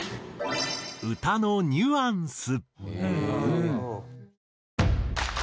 歌のニュアンス。